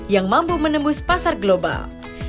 yang mampu menembus pasar global